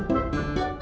aku mau ke rumah ya